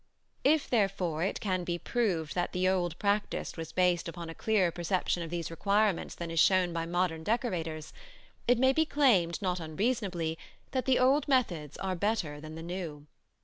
If, therefore, it can be proved that the old practice was based upon a clearer perception of these requirements than is shown by modern decorators, it may be claimed not unreasonably that the old methods are better than the new.